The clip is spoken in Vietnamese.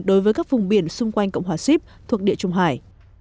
đối với các vùng biển xung quanh cộng hòa xíp thuộc địa trung hải